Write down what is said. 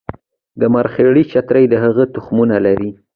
د مرخیړي چترۍ د هغې تخمونه لري